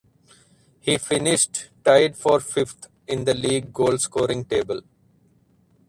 He finished tied for fifth in the league goalscoring table.